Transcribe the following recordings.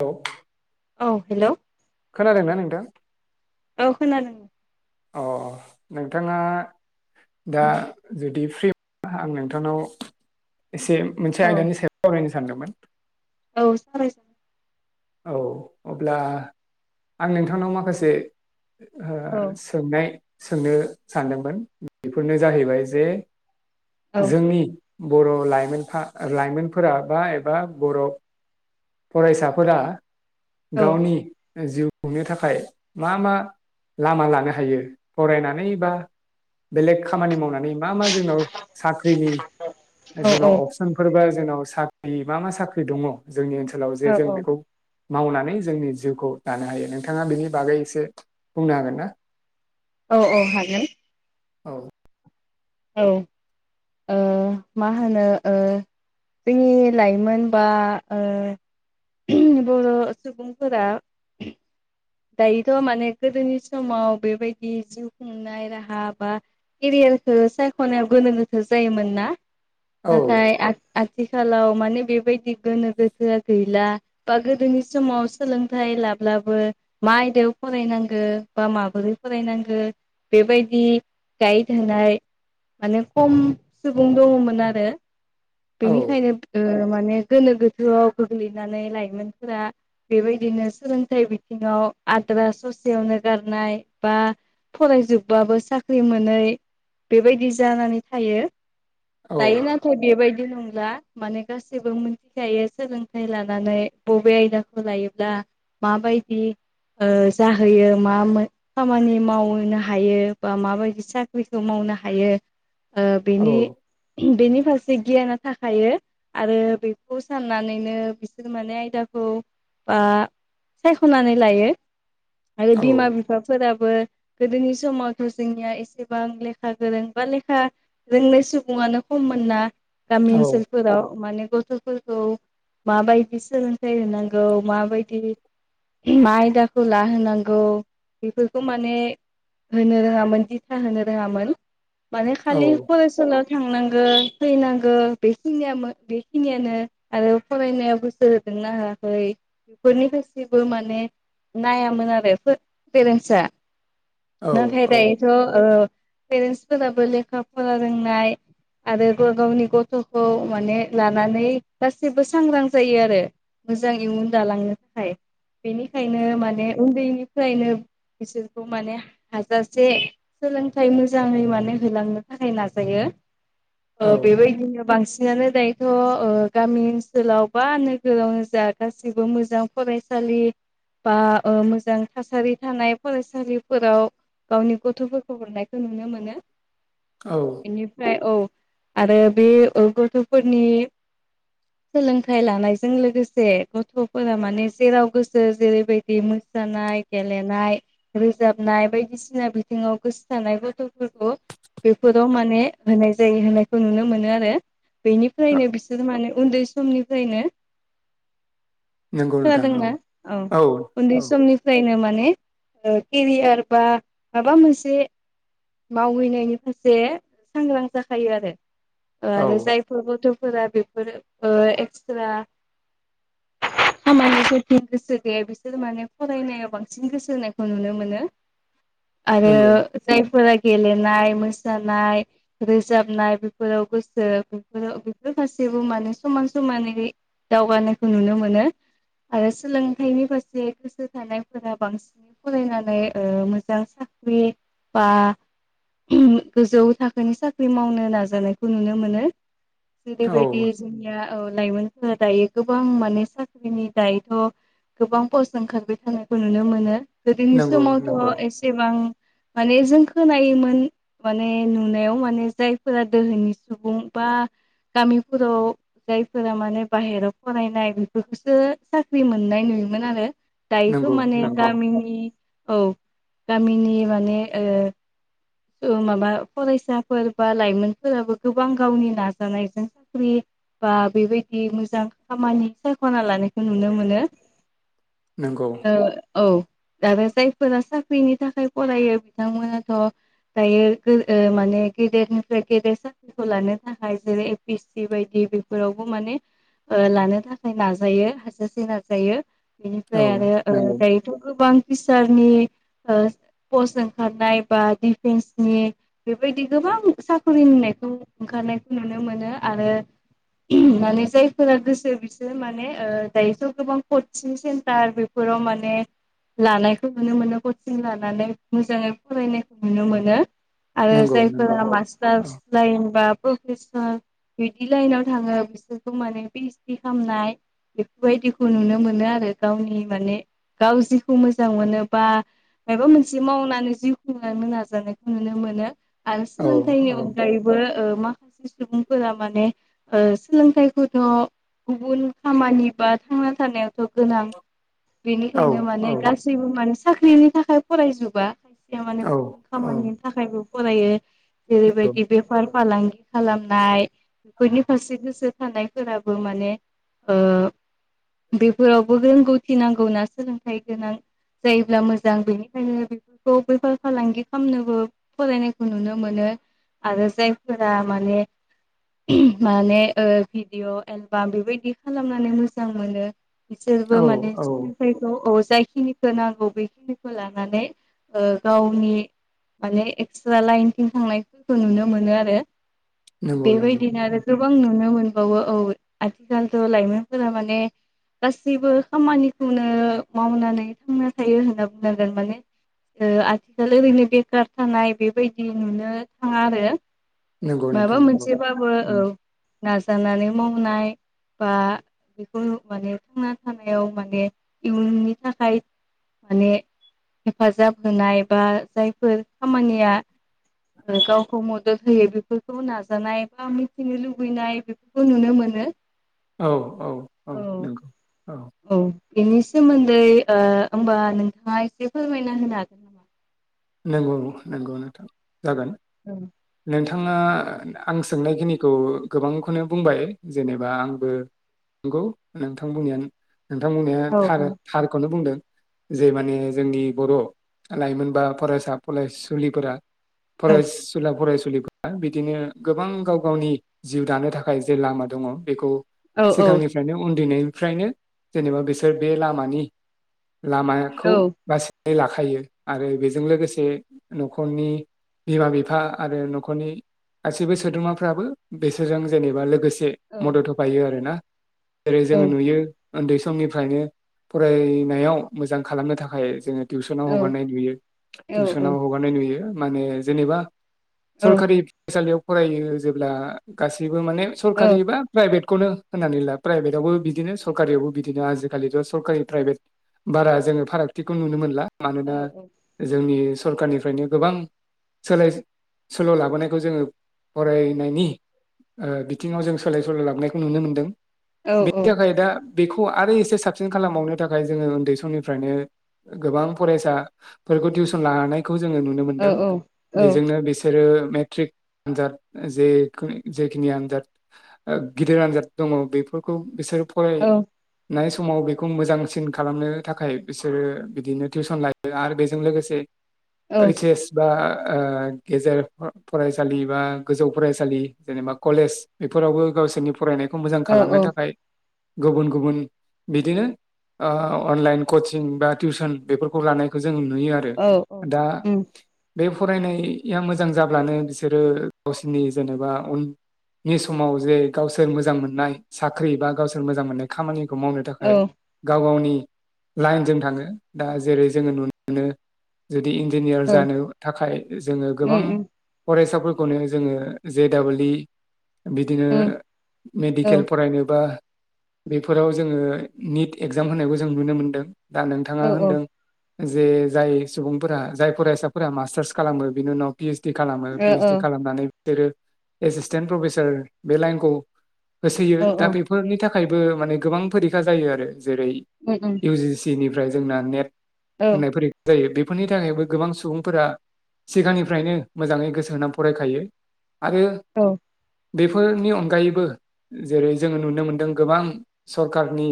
औ औ हेलौ' खोनादोंना नोंथां औ खोनादों अ नोंथाङा दा जुदि फ्रिा आं नोंथांनाव एसे मोनसे औ आयदानि सायाव सावरायनो सानदोंमोन औ सावराय ज औ अब्ला आं नोंथांनाव माखासे ओ औ सोंनाय सोंनो सानदोंमोन बेफोरनो जाहैबाय जे औ जोंनि बर' लाइमोनफा लाइमोनफोरा बा एबा बर' फरायसाफोरा औ गावनि जिउ खुंनो थाखाय मा मा लामा लानो हायो फरायनानै बा बेलेग खामानि मावनानै मा मा जोंनाव साख्रिनि जोंनाव औ अपसनफोरबा जोंनाव साख्रि मा मा साख्रि दङ जोंनि ओनसोलाव जे औ जों बेखौ औ मावनानै जोंनि जिउखौ दानो हायो नोंथाङा बेनि बागै एसे बुंनो हागोन ना औ औ हागोन औ औ ओ मा होनो ओ जोंनि लाइमोन बा ओ उ बर सुबुंफोरा दायोथ माने गोदोनि समाव बेबायदि जिउ खुंनाय राहा बा केरिया फोरखो सायखनायाव गोनो गोथो जायोमोन ना औ नाथाय आं आ आथिखालाव माने बेबायदि गोनो गोो गैला बा गोदोनि समाव सोलोंथाइ ला म्लाबो मा आयदायाव फरायनांगौ बा माबोरै फरायनांगौ बेबायदि गाइड होनाय माने खम सुबुं दङमोन आरो औ बेनिखायनो ओ माने गोनो गोथोआव गोग्लैनानै लाइमोनफोरा बेबायदिनो सोलोंथाइ बिथिङाव आद्रा ससेयावनो गारनाय बा फरायजोबबाबो साख्रि मोनै बेबायदि जानानै थायो औ दायो नाथाय बेबायदि बिदि नंला माने गासैबो मिथिखायो सोलोंथाइ लानानै बबे आयदाखौ लायोब्ला मााबायदि जाहोयो मा खामानि मावनो हायो बा माबायदि साख्रिखौ मावनो हायोनिनि ओ औ बिनि ओ बिनि माखासे गियाना थाखायो आरो बेखौ साननानैनो बिसोर माने आयदाखौ बा सायखनानै लायो आरो औ बिमा बिफाफोराबो गोदोनि समावथ जोंनिया एसेबां लेखा गोरों बा लेखा रोंनाय सुबुङानो खम [unintelligible] गामि ओनसोलफोराव माने गथ फोरखौ माबायदि सोलोंथाइ होनांगौ माबायदि मा आयदाखौ लाहोनांगौ बेफोरखौ माने होनो रोङामोन दिथा होनो रोङामोन माने खालि औ फरायसालि थांनांगौ फैनांगौ बेनिय बेखिनियानो आरो फरायनायाव गोसो हो होदों ना हायाखै बेफोरनिफ्राय बो माने नायामोन आरो पेरेन्टस नाथाय औ दायोथ पेरेन्टसफोराबो लेखा फरा रोंनाय आरो गावनि गथखौ माने लानानै गासैबो सांग्रां जायो आरो मोजां इयुन दालांनो थाखाय बेनिखायनो माने उन्दैनिफ्रायनो बिसोरखौ माने हाजासे सोलोंथाइ मोजाङै माने होलांनो थाखाय नाजायो [inaudible] बेबायदिनो बांसिन बिनानो दायोथ गामि ओनसोलाव बा नोगोरावनो जा गाससिबो मोजां फरायसा [unintelligible] बा मोजां थासारि थानाय फरायसालिफोराव गावनि गथफोरखौ हरनायखौ नुनो मोनो औ बेनिफ्राय औ आरो बे गथफोरनि सोलोंथाइ लानायजों लोगोसे गथफोरा माने जेराव गोसो जेरैबायदि मोसानाय गेलेनाय रोजाबनाय बायदिसिना बिथिं जाव गोसो थानायानाय गथ'फोरखौ बेफोराव माने होनाय जायो होनायखौ नुनो मोनो आरो बेनिफ्रायनो बिसोर माने उन्दै समनिफ्रायनो नंगौ नोंथां औ खोनादोंनाा औ उन्दै औ समनिफ्रायनो माने केरियार बा माबा मोनसे मावहैनायनि फारसे सांग्रां जाखायो आरो औ आरो जायफोर गथ फोरा बेफोर एक्स्रा [inaudible] खामानि फोरथिं गोसो गैया बिसोर माने फरायनायाव बांसिन गोसो होनायखौ नुनो मोनो [inaudible] आरो नंगौ जाय फोरा गेलेनाय मोसानाय रोजाबनाय बेफोराव गोसो बेफोराव बेफोर माखासेबो माने समान समानै दावगानायखौ नुनो मोनो। आरो सोलोंथाइनि फारसे गोसो थानायफोरा बांसिनै फरायनानै ओ मोजां सा ख्रि बा गोजौ थाखोनि साख्रि मावनो नाजानायखौ नुनो मोनो। औ जेरैबायदि जोंनिया ओ लाइमोनफोरा दायो गोबां माने साख्रिनि दायथ' गोबां फस ओंखारबाय थानायखौ नुनो मोनो गोदोनि नंगौ समावथ' नंगौ एसेबां माने जों खोनायोमोन माने नुनायाव माने जायफोरा दोहोनि सुबुं बा गामिफोराव जायफोरा माने बाहेरायाव फरायनाय बेफोरखौसो साख्रि मोननाय नु योमोन आरो दायोथ' नंगौ माने नंगौ गामिनि औ गामिनि माने ओ ओ माबा फरायसाफोर बा लाइमोनफोराबो गोबां गावनि नाजानायजों साख्रि बा बेबायदि मोजां खामानि सायख'ना लानायखौ नुनो मोनो। नंगौ ओ औ आरो जायफोरा साख्रिनि थाखाय फरायो बिथांमोनाथ' दायो गो ओ माने गेदेरनिफ्राय गेदेर साख्रिखौ लानो थाखाय जेरै ए पि एस सि बायदि बेफोरावबो माने ओ लानो थाखाय नाजायो हाजासे नाजायो। औ बेनिफ्राय आरो ओ नंगौ दायोथ' गोबां फिसारनि ओ पस्ज ओं खारनाय बा डिफेन्सनि बेबायदि गोबां साख्रि होननायखौ ओंखारनायखौ नुनो मोनो आरो माने जायफोरा गोसो बिसोर माने ओ दायोथ' गोबां कचिं सेन्टार बेफोर राव माने लानायखौ नुनो मोनो कचिं लानानै मोजाङै फरायनायखौ नुनो मोनो आरो नंगौ नंगौ जायफोरा औ मास्टार्स लाइन बा प्रफेसार बिदि लाइनाव थाङो बिसोरखौ माने पिओइस डि खालामनाय बेफोरबायदिखौ नुनो मोनो आरो गावनि माने गाव जिखौ मोजां मोनोबा माबा मोन एसे मावनानै जिउ खुंनो नाजानायखौ नुनो मोनो आरो औ सोलोंथाइनि औ अनगायैबो ओ माखासे सुबुंफोरा माने ओ सोलोंथाइखौथ' गुबुन खामानि बा थांना थानायाव थ' गोनां बेनिखायनो माने औ औ गासैबो माने साख्रिनि थाखाय फरायजुबा माने औ गुबुन औ खामानिनि थाखायबो फरायो जेरैबायदि बेफार फालांगि खालामनाय बेफोरनि फारसे गोसो थानायफोराबो माने ओ [inaudible] बेफोरावबो रोंगौथि नांगौना सोलोंथाइ गोनां जायोब्ला मोजां बेनि ओंखायनो बेफोरखौ बेफार फालांगि खालामनोबो फरायनायखौ नुनो मोनो। आरो जायफोरा माने माने ओ भिडिअ' एलबाम बेबायदि खालामनानै मोजां मोनो। औ बिसोरबो माने औ बिसोरनि औ जायखिनिखौ नांगौ बेखिनिखौ ला [unintelligible] नै ओ गावनि माने एक्सट्रा लाइनथिं थांनायफोरखौ नुनो मोनो आरो। नंगौ नंगौ बेबायदिनो आरो गोबां नुनो मोन बावो औ आथिखालथ' लाइमोनफोरा माने गासैबो खामानिखौनो मावनानै थांना थायो होनना बुं नांगोन माने ओ आथिखाल ओरैनो बेखार थानाय बेबायदि नुनो थाङा आरो। नंगौ माबा नोंथां नंगौ मोनसेबाबो औ उम, नाजानानै मावनाय बा बेखौ माने थांना थानायाव माने इयुननि थाखाय माने हेफाजाब होनाय बा जायफोर खामानिया गावखौ मदद होयो बेफोरखौ नाजानाय बा मिथिनो लुबैनाय बेफोरखौ नुनो मो नो। औ औ औ नंगौ औ बेनि सोमोन्दै होमबा नोंथाङा एसे फोरमायना होनो हागोन नामा? नंगौ नंगौ नोंथां जागोन नोंथां थाङा आं सोंनायखिनिखौ गोबांखौनो बुंबाय जेनेबा आंबो नंगौ नोंथां बुंनायानो नोंथां बुंनाया औ थार थारखौनो बुंदों जे माने जोंनि बर लाइमोन बा फरायसा फरायसुलिफोरा फरायसुला फराय बिदिनो गोबां गाव गावनि जिउ दानो थाखाय जे लामा दङ बेखौ औ औ सिगांनिफ्रायनो उन्दैनायनिफ्रायनो जेनेबा बिसोर बे लामानि लामाखौ औ बासिनानै लाखायो आरो बेजों लोगोसे नखरनि बिमा बिफा आरो नखरनि गासैबो सोद्रोमाफ्राबो बिसोरजों जेनेबा लोगोसे से मदद होफायो आरो ना । जेरै औ जोङो नुयो उन्दै समनिफ्रायनो फरायनायाव मोजां खालामनो थाखाय जोङो टिउसनाव औ हगारनाय नुयो औ टिउसनाव औ हगारनाय नुयो माने जेनेबा सरखारि फरायसालियाव फरायो जेब्ला गासैबो माने औ सरकारि बा प्राइभेट खौनो होननानै ला प्राइभेटआवबो बिदिनो सरकारियावबो बिदिनो आजिखालिथ सरकारि प्राइभेट बारा जोङो फारागथिखौ नुनो मोनला। औ मानोना औ जोंनि सरखारनिफ्रायनो गोबां सोलाय सोल' लाबोनायखौ जोङो फरायनायनि ओ बिथिङाव जों सोलाय सोल लाबनायखौ नुनो मोनदों औ बेनि थाखाय दा बेखौ आरो एसे साबसिन खालामबावनो थाखाय जोङो उन्दै समनिफ्रायनो गोबां फरायसा फोरखौ टिउसन लानायखौ जोङो नुनो औ मोनदों औ औ बेजोंनो बिसोरो मेट्रिक आनजाद जे जेखिनि आनजाद गिदिर आनजाद दङ बे फोरखौ बिसोरो औ फरायनाय समाव बेखौ मोजांसिन खालामनो थाखाय बिसोरो बिदिनो टिउसन लायो आरो बेजों लोगोसे ओइ सेस बा ओ गेजेर फरायसालि बा गोजौ फरायसालि जेनेबा कलेज बेफोरावबो ग गावसोरनि फरायनायखौ मोजां औ खालामनो थाखाय गुबुन गुबुन बिदिनो ओ अनलाइन कचिं बा टिउसन बेफोरखौ लानायखौ जों नु नुयो आरो औ औ दा उम बे फरायनाया मोजां जाब्लानो बिसोरो गावसोरनि जेनेबा उन नि समाव जे गावसोर मोजां मोननाय साख्रि बा गावसोर मोजां मोननाय खामानि खौ मावनो औ थाखाय गाव गावनि लाइनजों थाङो दा जेरै जोङो नुनो मोनो जुदि इन्जिनियार औ जानो थाखाय जोङो गोबां उम उम फरायसाफोर खौनो जोङो जे दबल इ बिदिनो उम औ मेडिकेल फरायनोबा बेफोराव जोङो निट एगजाम होनायखौ जों नुनो मोनदों। दा औ नोंथाङा ओ होनदों जे जाय सुबुंफोरा जाय फरायसाफोरा मास्टार्स खालामो बिनि उनाव पि एस डि खालामो औ पि ओइस डि खालामनानै बिसोरो एसिसटेन्ट प्रफेसार बे लाइनखौ होसोयो औ दा बेफोरनि थाखायबो माने गोबां फरिखा जायो आरो। जेरै उम उम इउजि सि निफ्राय जोंना नेट औ होननायफोरि जायो बे बेफोरनि थाखायबो गोबां सुबुंफोरा सिगांनिफ्रायनो मोजाङै गोसो होनानै फरायखायो। आरो औ बेफोरनि अनगायैबो जेरै जोङो नुनो मोनदों गोबां सरखारारनि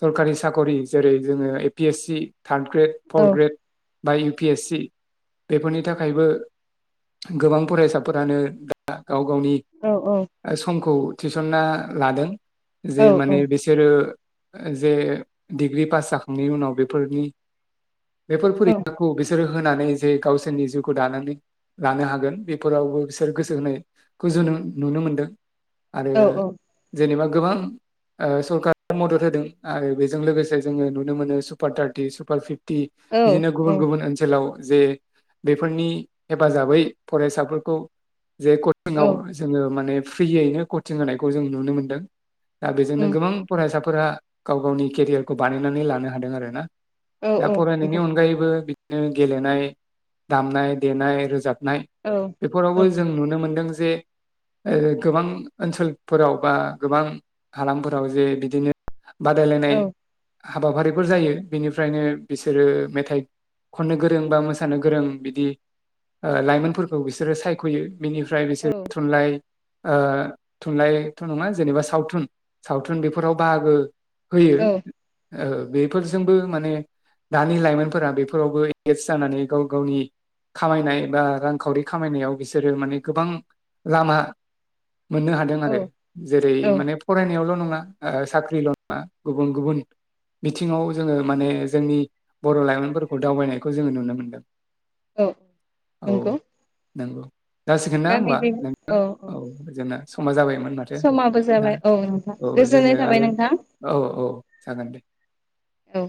सरकारि साखरि जेरै जोङो A P SC third grade fourth grade बा इउ पि एस सि बेफोरनि थाखायबो गोबां फरायसाफोरानो दा गाव गावनि औ समखौ थिसन्ना लादों। जे औ माने बिसोरो जे डिग्रि पास जाखांनायनि उनाव बेफोरनि बेफोर औ फरिखाखौ बिसोरो होनानै जे गावसोरनि जिउखौ दानानै लानो हागोन बेफोरावबो बिसोर गोसो होनायखौ जोङो नुनो मोनदों। आरो उम जेनेबा गोबां ओ सरकारा मदद होदों आरो बेजों लोगोसे जोङो नुनो मोनो सुपार थार्टि सुपार फिफ्टि बिदिनो गुबुन गुबुन ओनसोलाव जे बेफोरनि हेफाजाबै फरायसाफोरखौ जे कचिंआव जोङो माने फ्रियैनो कचिं होनायखौ जों नुनो मोनदों। दा बेजोंनो गोबां फरायसाफोरा गाव गावनि केरियारखौ बानायनानै लानो हादों आरोना। औ दा नंगौ औ फरायनायनि अनगायैबो बिदिनो गेलेनाय दामनाय देनाय रोजाब नाय बेफोरावबो जों नुनो मोनदों जे ओ गोबां ओनसोलफोराव बा गोबां हालामफोराव जे बिदिनो बादायलायनाय हाबाफारिफोर जायो बेनिफ्रायनो बिसोरो मेथाइ खननो गोरों बा मोसानो गोरों बिदि ओ लाइमोनफोरखौ बिसोरो सायख'यो बिनिफ्राय बिसोरो थुनलाइ ओ थुनलाइथ' नङा जेनेबा सावथुन सावथुन बेफोराव बाहागो होयो ओ बेफोरजोंबो माने दानि लाइमोनफोरा बेफोरावबो एंगेज जानानै गाव गावनि खामायनाय बा रांखावरि खामायनायाव बिसोरो माने गोबां लामा मोननो हादों आरो। जेरै औ माने फरायनायावल' न ङा ओ साख्रिल' नङा गुबुन गुबुन बिथिङाव जोङो माने जोंनि बर' लाइमोनफोरखौ दावबायनायखौ जोङो नुनो मोन्दों। औ नंगौ। नंगौ जासिगोन ना दा होमबा बिदि नोंथां औ औ? जोंना समा जाबायमोन माथो समाबो दा जाबाय औ नोंथां औ गोजोननाय जोङो थाबाय आरो नोंथां औ औ जागोन दे औ